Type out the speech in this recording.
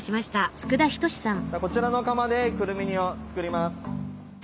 こちらの釜でくるみ煮を作ります。